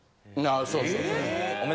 あそうそう。